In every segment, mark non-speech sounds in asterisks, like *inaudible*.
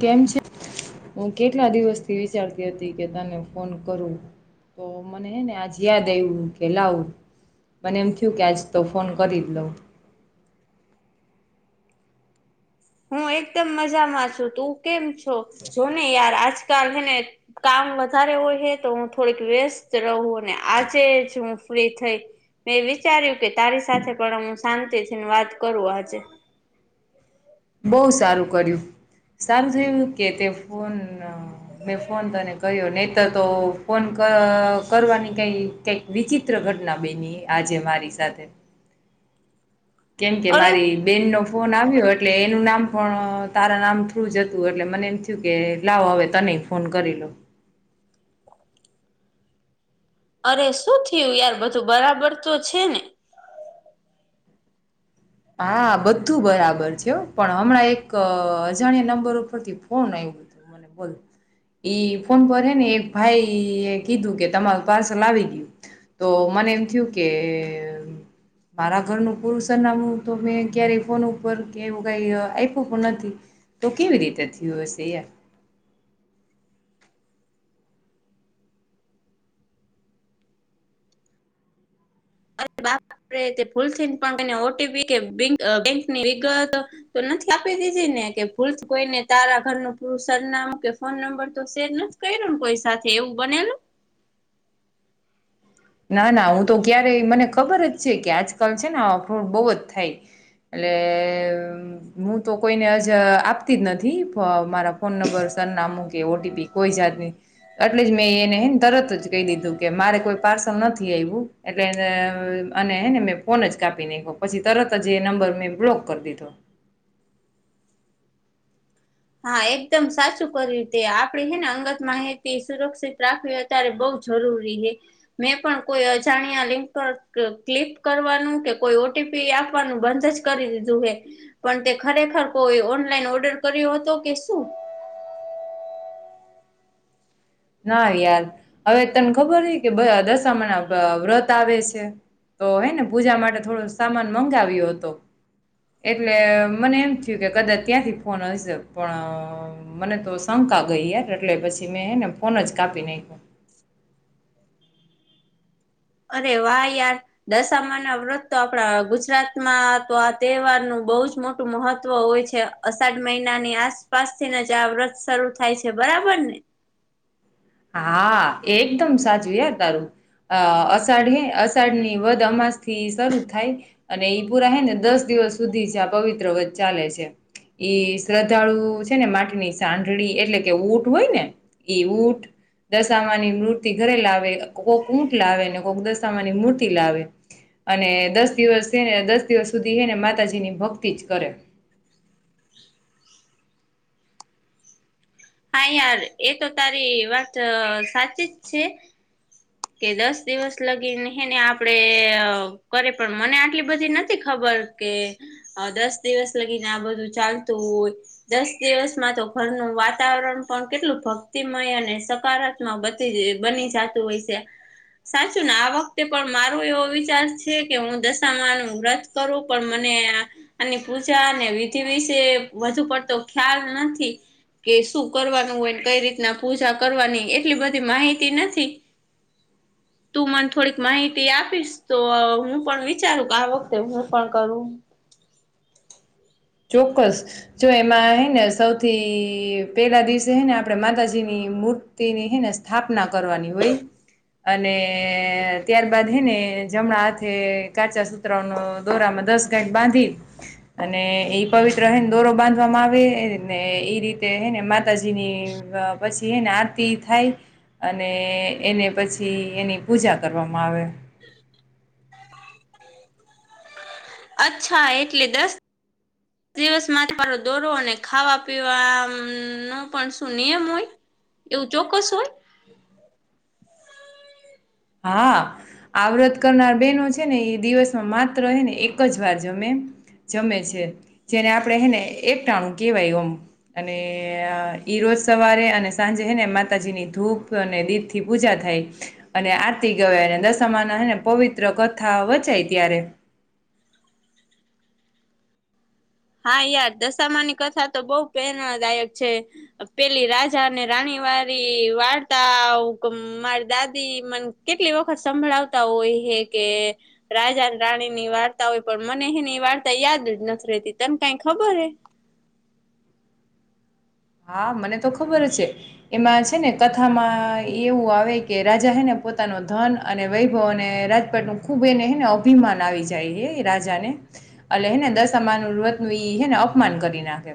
કેમ છે હું કેટલા દિવસથી વિચારતી હતી કે તને ફોન કરું તો મને ને આજ યાદ આવું કે લાવું મને એમ થયું કે આજ તો ફોન કરી લોઉ હું એકદમ મજામાં છું તું કેમ છો જોને યાર આજકાલ હને કામ વધારે હોય હ તો હું થોડીક વ્યસ્ત રહું અને આજે જ હું ફ્રી થઈ મેં વિચાર્યું કે તારી સાથે પણ હું શાંતિથી વાત કરું આજે બહુ સારું કર્યું સારું થયું કે તે ફોન મેં ફોન તને કર્યો નહીતર તો ફોન કરવાની કઈ કઈક વિચિત્ર ગ ઘટના બેની આજે મારી સાથે કેમ કે અરે મારી બેન નો ફોન આવ્યો એટલે એનું નામ પણ તારા નામ થ્રું જ હતું એટલે મને એમ થયું કે લાવો હવે તને ન ફોન કરી લો અરે સુું થયું યાર બધું બરાબર તો છે ને હા બધું બરાબર છે પણ હમણાં એક અજાણ્યા નંબર ઉપરથી ફોન આવ્યું હતું મ બ ઈ ફોન પર હે ને એક ભાઈ કીધું કે તમારું પાર્સલ આવી ગયું તો મને એમ થયું કે મારા ઘર ન પુરુષમું તો મેં ક્યારેય ફોન ઉપર કે એવું કઈ આપ્યું પણ નથી તો કેવી રીતે થીયુ હશે હેય આપરે તે ભૂલ થી પણ ઓટીપી કે બેંક બેંકની વિગત નથી આપી દીઘી ને ને કે ભૂલ કોઈને તારા ઘર નુ પુરુ સરનામુ કે ફોન નંબર તો શેર નથી કર્યો કોઈ સાથે એવું બનેલું ના ના હું તો ક્યારેય મને ખબર જ છે કે આજકાલ છે ને આવા ફ્રોઉંડ બોહ જ થાય એટલે હું તો કોઈને આપતી જ નથી પ મારા ફોન નંબર સરનામું કે ઓટીપી કોઈ જાત એટલે જ મેં એને ને તરત જ દીધું કે મારે કોઈ સમ નથી આયવું એટલે ને અને મે હે ફોન જ કાપી નાખ્યો પછી તરત જ એ નંબર ને બ્લોક કરી દીધો હા એકદમ સાચું કર્યું તે આપડી હેને અંગત માહિતી સુરક્ષિત રાખવી અત્યારે બો જરૂરી હે મેં પણ કોઈ અજાણ્યા લિંક પર ક્લિક કરવાનું કે કોઈ ઓ તી પી આપવાનું બંધ જ કરી દીધું હે પણ તે ખરેખર કોઈ ઓનલાઈન ઓર્ડર કર્યો હોય તો કેશું ના યાર હવે તને ખબર હે કે દશામા ના વ્રત આવે છે તો હે ને પૂજા માટે થોડો સામાન મંગાવ્યો હતો એટલે મને એમ થયું કે કદાચ ત્યાંથી ફોન હશે પણ મને તો સમ કા ગઈ યાર એટલે પછી મેને ફોન જ કાપી નાખયો અરે વાહ યાર દશામા ના વ્રત તો આપડા ગુજરાતમાં તો આ તહેવારનું બો જ મોટું મહત્વ હોય છે અષાઢ મહિનાની આસપાસ થીને જ આ વ્રત શરૂુ થાય છે બ બરાબર ને *inaudible* હા એકદમ સાચુ હે તારું અ અષાઢ હે અષાઢ ની વધ અમાસ થી શરૂ થાય અને ઈ પૂરા હે ને દસ દિ દિવસ સુધી છે આ પવિત્ર વ્રત ચાલે છે ઈ શ્રદ્ધાળુ છે ને માટીની સાઢળી એટલે કે ઊંટ હોય ને ઈ ઊટ દશામાંની મૂર્તિ ઘરે લાવે કોક ઊટ લાવે ને કોક દશામાની મૂર્તિ લાવે અને દસ દિવસ છે ને દસ દિવસ સુધી હે ને માતાજીની ભક્તિ જ કરે *inaudible* હા યાર એ તો તારી વાત સાચી જ છે કે દસ દિવસ લગીને હે ને આપડે કરે પણ મને આટલી બધી નથી ખબ ખબર કે દસ દિવસ લગીને આ બધું ચાલતું હોય દસ દિવસમાં તો ઘરનું વાત વાતાવરણ પણ કેટલું ભક્તિમય અને સકારાત્મક બ બની જતું હોય છે સાચું ને આ વખતે પણ મારોું એવો વિચાર છે કે હું દશામાંનું વ્રત કરું પણ મને ને આની પૂજા અને વિધિ વિશે વધુ પડતો ખ્યાલ નથી કે શું કરવાનું હોયને કઈ રીતના પૂજા કરવાની એટલી બધી માહિતી નથી *inaudible* તું મને થોડીક માહિતી આપીશ તો હું પણ વિચારું કે આ વખતે હું પણ કરું *inaudible* ચોક્કસ જો એમાં હે ને સૌથી પેલા દિવસે હે ને આપણેે માતાજીની મૂર્તિની હે ને સ્થાપના કરવાની હોય અને ત્યારબાદ હે ને જમણા હાથે કાચા સુતરાનો દોરામાં દસ ગઠ બાંધી અને એ પવિત્ર હે દોરો બાંધવામાં આવે ને એઈ રીતે હે ને માતાજી ની પછી હે ને આરતી થાય અને એને પછી એની પૂજા કરવામાં આવે *inaudible* અચ્છા એટલે દસ દિવસ માટે મારોો દોરો અને ખાવા પીવા નો પણ. શું નિયમ હોય? એવું ચોક્કસ હોય. *inaudible* હા, આવ્રત કરનાર બેહેનો છે, ને એ દિવસમાં માત્ર હે ને એક જ વાર જમે જમે છે. જેને આપણે એને એક ટાણ કેવાય આમ અને ઈરોજ જ સવારે અને સાંજેને માતાજીની ધૂપ અને દીપ થી પૂજા થાય. અને આરતી ગવે અને દશમા ના હને પવિત્ર કથા વચાય. ત્યારે હા, યાર દશામાની કથા તો બહુ પ્રેરણાદાયક છે, પેલી રાજા અને રાણી વારી વાર્તા મારી દાદી મને કેટલી વખત સંભળાવતા હોય. કે રાજા રાણી ની વાર્તા હોય પણ મને એની વાર્તા યાદ જ નથી રહેતી. તને કઈ ખબર હે? હા, મને તો ખબર છે એમાં છે, ને કથામાં એવું આવે કે રાજા હે ને પોતાનો ધન અને વૈભવ અને રાજપટ ન ખૂબ એને ને અભિમાન આવી જાય એ રાજાને એટ હેને દશામાનું વ્રતનું હેને અપમાન કરી નાખે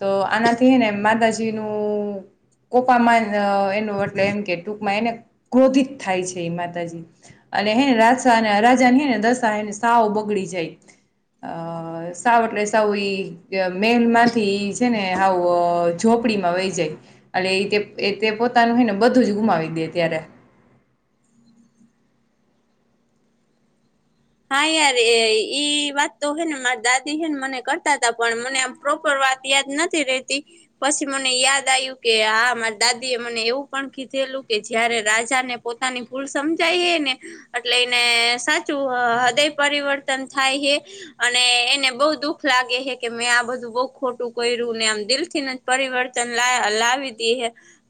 તો આનાથી ને માતાાજી નું કોપામાં એનું એટલ એમ કે ટૂંકમાં એને ક્રોધિત થાય છે, એ માતાજી અને હે ને રાજા અને રાજા ને હેને દશા હેને સાઓ બગડી જાય. અ સાવ એટલે સાવ ઇ મહેલ *unintelligible* માંથી છે ને વ ઝોપડીમાં વહી જાય એટલે એ પોતાનું હોય ને બધું જ ગુમાવી દે ત્યારે *inaudible* હા, યાર એ ઈ વાત તો હે ને મારા દાદી છે, ને મને કરતા હતા પણ મને આમ પ્રોપર વાત યાદ નથી રતી પછી મને યાદ આવ્યું કે હા મારા *unintelligible* દાદી એ મને એવું પણ કીધે લુ. કે જયારે રાજા ને પોતાની ભૂલ સમજાય એને *unintelligible* એટલે એને સાચું હૃદય પરિવર્તન થાય હ અને એને બઉ દુઃખ લાગે છે, કે મેં આ બધું બ *unintelligible* ખોટું કર્યું ને આમ દિલ થી જ પરિવર્તન લાવી દે હ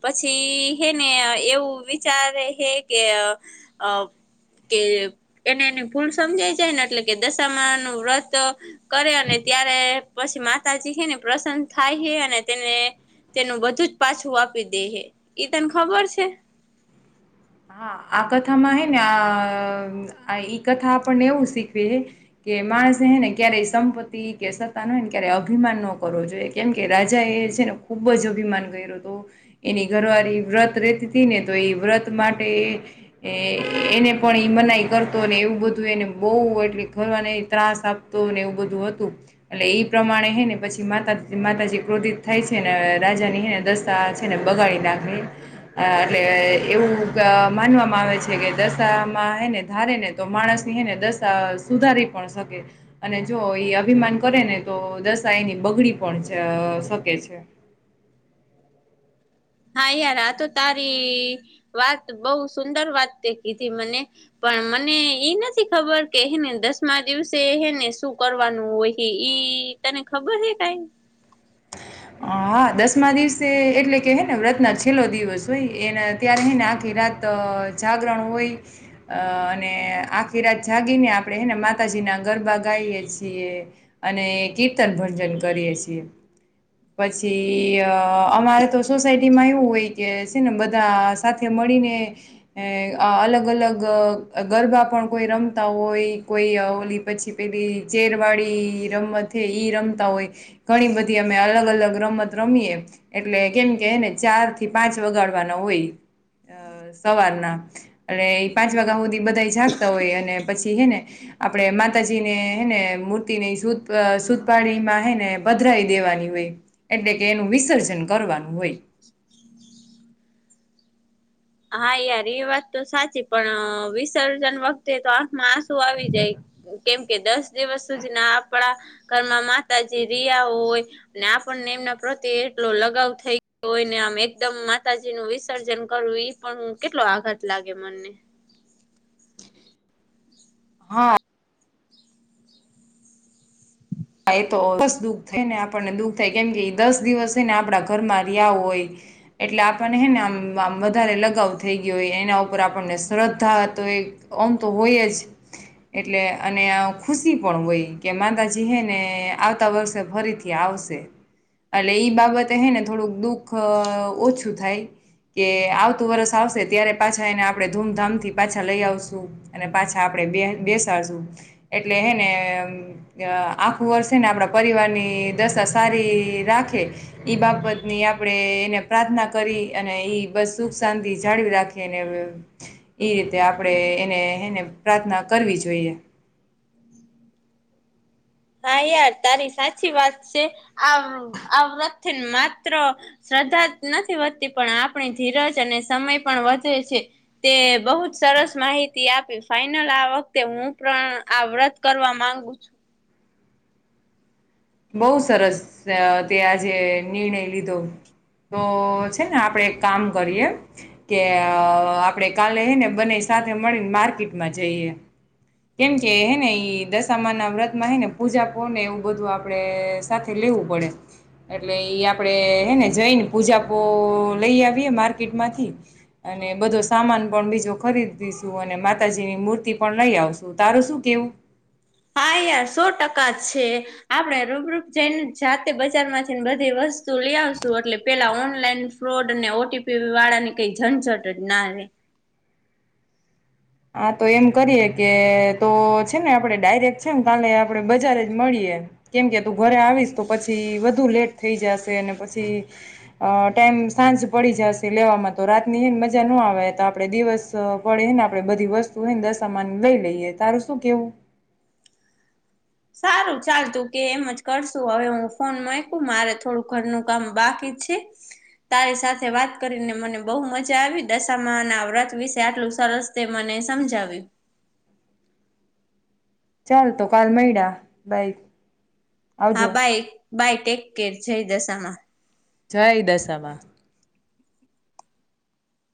પછી હે એવું વિચારે છે, કે અ કે એને ભુલ સમજાઈ જાય ને એટલે કે દશામા નું વ્રત કરે અને ત્યારે પછી માતાજી છે, ને પ્રસન થાય છે, અને તેને તેનું બધું જ પાછું આપી દે હ ઈ તને ખબર છે? *inaudible* હા, આ કથામાં હે ને આ કથા આપણને એવું શીખવી છે, કે મા ને ક્યારેય સંપત્તિ કે સત્તા ન હોય ને ક્યારે અભિમાન ન કરવો જોઈએ કેમ કે રાજા એ છે, ને ખુબ જ અભિમાન કર્યો હતો એની ઘરવાળ વ્રત રેતી હતી ને તો એ વ્રત માટે એને પણ ઈ મનાઈ કરતો અને એવું બધું એને બવુ એટલે કરવારના *unintelligible* ત્રાસ ત્રાસ આપતું હતું ને એવું બધું હતું એટલે એ પ્રમાણે હ ને પછી મા માતાજી ક્રોધિત થાય છે, ને રાજાનીને દસ્તા છે, ને બગાડી નાખવી અને એટલે એવું માનવામાં આવે છે, કે દશામાંને ધારે ને તો માણસની હને દશા સુધારી પણ શકે અને જો એ અભિમાન કરે ને તો દશા એની બગડી પણ શકે છે. *inaudible* હા, યાર આ તો તારી વાત બવ સુંદર વાત તે કીધી મને પણ મને નથી ખબર કે એને દસમા દિવસેને શું કરવાનું હોય ઈ એ તને ખબર છે કઈ? *inaudible* હા, દસમા દિવસે એટલે કે હેને વ્રત્ન છેલ્લો દિવસ હોય એને ત્યારે હ ને આખી રાત જાગરણ હોય અને આખી રાત જાગીને આપણેને માતાજી ના ગરબા ગાઈએ છીએ અને કીર્તન ભજન કરીએ છીએ. પછી અમારે તો સોસાયટીમાં એવું હોય કે છે ને બધા સાથે મળી મળીને અલગ અલગ ગરબા પણ કોઈ રમતા હોય કોઈ પછી પેલી ચેરવાડી રમત ઈ રમતા હોય ઘણી બધી અમે અલગ અલગ રમત રમીએે એટલે કેમ કે એને ચાર થી પાંચ વગાડવાના હોય. અ સવારના એણે એ પાંચ વાગ્યા હુંધી બધા જાગતા હોય અને પછી હે ને આપડે માતાજી ને હેને મૂર્તિ ની સુધ સુદપાડી માં હેને પાણીમાં પધરાવી દેવા ની હોય એટલે કે એનું વિસર્જન કરવાનું હોય હા યાર એ વાત તો સાચી પણ વિસર્જન વખતે તો આંખમાં આંસુ આવી જાય કેમ કે દસ દિવસ સુધીના આપડા ઘરમાં માતાજી રિયા હોય ને પણને એમના પ્રત્યે એટલો લગાવ થઈ ગયો હોયને આમ એકદમ માતાજી નું વિસર્જન કરવું ઈ પણ કેટલો આઘાત લાગે મનને હા હા એ તોસ દુઃખ થાય ને આપણને દુઃખ થાય કેમકે એ દસ દિવસ છે ને આપડા ઘરમાં રિયા હોય એટલે આપણને હેને આમ આમ વધારે લગાવ થઈ ગયો હોય એના ઉપર આપણને શ્રદ્ધા હતો એ અમ તો હોય જ એટલે અને ખુશી પણ હોય કે માતાજ દી હે ને આવતા વર્ષે ફરીથી આવશે એટલે ઈ બાબતે હે ને થોડુંક દુઃખ ઓછું થાય કે આવતું વરસ આવશે ત્યારે પાછા એને આપડે ધૂમધામ થી પાછા લઈ આવશું અને પાછા આપ બેહ બેસાડ શું એટલે હે ને આખું વર્ષ હે ને આપડા પરિવારની દશા સારી રાખે ઈ બાબતની આપ પડે એને પ્રાર્થના કરી અને ઈ બસ સુખ શાંતિ જાળવી રાખે ઈ રીતે આપડે એને હે ને પ્રાર્થના કરવી જોઈએ હા યાર તારી સાચી વાત છે આ વ્રત માત્ર સ શ્ધા નથી વધતી પણ આપણી ધીરજ અને સમય પણ વધે છે તે બહુ જ સર રસ માહિતી આપી ફાઈનલ આ વખતે હું પણ આ વ્રત કરવા માંગુ છું બહુ સરસ તે આજે નિર્ણય લીધો તો છે ને આપડે એક કામ કરીએ કે આપડે કાલે હેને બને સાથે મળીને માર્કેટમાં જઈએ કેમ કે હેને ઈ દશામા ના વ્રત માં હે ને પૂજા પને એવું બધું આપ પડે સાથે લેવું પડે એટલે ઈ આપણેે હેને જઈને પૂજા પુલ લઈ આવીયે માર્કેટ માંથી અને બધો સામાન પણ બીજો ખરીદીશું અને માતાજીની મૂર્તિ પણ લઈ આવશું તારું શું કેવું? હા સો ટકા છે આપડે રૂબરૂપ જઈને જાતે બજાર માંથીને બધી વસ્તુ લે આવસુ એટલે પેલા ઓનલાઈન ફ્રોડ અને ઓટીપી વાળા ની કઈ ઝંઝટ જ ના રહે હા તો એમ કરીએ કે તો છે ને આપડે ડાયરેક્ટ છે ને કાલે આપડે બજાર જ મળીએે કેમ કે તું ઘરે આવીશ તો પછી વધુ લેટ થઈ જશે પછી અ ટ એમ સાંજ પડી જશે લેવામાં તો રાતની એને મજા ન આવે તો આપડે દિવસ પડે આપ પડે બધી વસ્તુ હે દરસામાન લઈ લઈએ તારું શું કેવું? સારું ચાલતું કે એમજ કરશું હવે હું ફોન કું મારે થોડું ઘરનું કામ બાકી છે તારી સાથે વાત કરીને મને બહુ મજા આવી દશામા ના વ્રત વિશે આટલું સરસ તે મને સમજાવ્યું હ ચાલ તો કાલ મૈડા બાઈ હા બાય બાય ટેક કેર જઈ દસામાં જય દશમાં